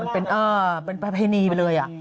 เป็นปรับเมนีไปเลย